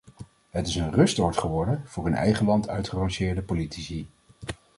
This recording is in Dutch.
Het is een rustoord geworden voor in eigen land uitgerangeerde politici.